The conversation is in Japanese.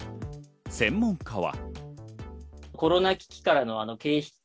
専門家は。